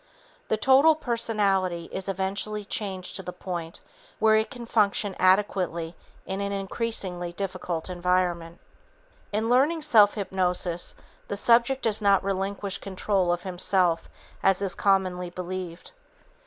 The total personality is eventually changed to the point where it can function adequately in an increasingly difficult environment. In learning self hypnosis, the subject does not relinquish control of himself as is commonly believed.